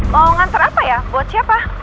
mau ngantar apa ya buat siapa